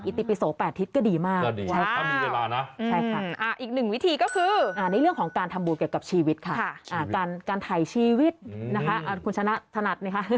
อิติปีสกแปดทิศก็ดีมากก็ดีได้เวลานะใช่ค่ะ